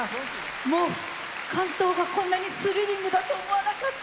もう竿燈がこんなにスリリングだと思わなかった！